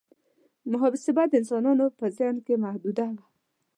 محاسبه د انسانانو په ذهن کې محدوده وه.